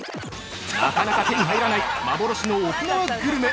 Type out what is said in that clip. ◆なかなか手に入らない幻の沖縄グルメ！